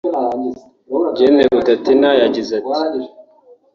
Gen Rutatina yagize ati